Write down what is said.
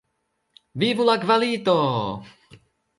Vivu la kvalito!